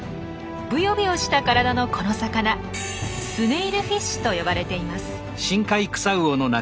ぶよぶよした体のこの魚スネイルフィッシュと呼ばれています。